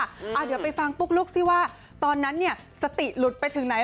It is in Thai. เดี๋ยวไปฟังปุ๊กลุ๊กซิว่าตอนนั้นเนี่ยสติหลุดไปถึงไหน